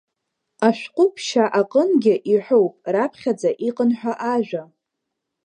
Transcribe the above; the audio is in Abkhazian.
Ашәҟәы Ԥшьа аҟынгьы иҳәоуп раԥхьаӡа иҟан ҳәа ажәа.